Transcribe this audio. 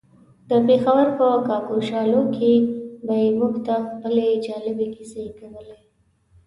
د پېښور په کاکشالو کې به يې موږ ته خپلې جالبې کيسې کولې.